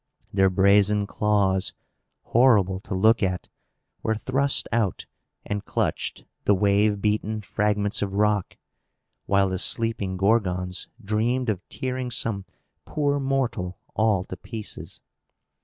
Their brazen claws, horrible to look at, were thrust out, and clutched the wave beaten fragments of rock, while the sleeping Gorgons dreamed of tearing some poor mortal all to pieces.